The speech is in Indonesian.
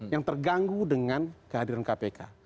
yang terganggu dengan kehadiran kpk